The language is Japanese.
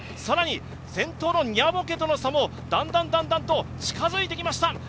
更に、先頭のニャボケとの差もだんだんと近づいてきました。